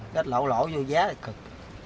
cách lỗ lỗ vô giá là cực